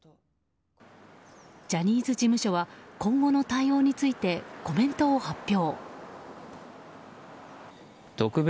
ジャニーズ事務所は今後の対応についてコメントを発表。